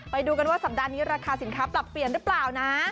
ไปดูกันว่าสัปดาห์นี้ราคาสินค้าปรับเปลี่ยนหรือเปล่านะ